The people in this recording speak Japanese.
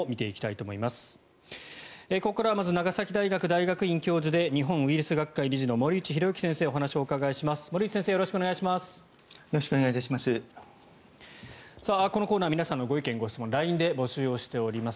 ここからはまず長崎大学大学院教授で日本ウイルス学会理事の森内浩幸先生にお話を伺います。